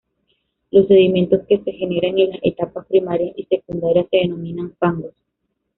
Los sedimentos que se generan en las etapas primaria y secundaria se denominan fangos.